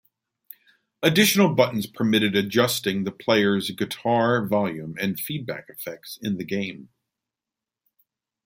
Additional buttons permitted adjusting the player's guitar volume and feedback effects in the game.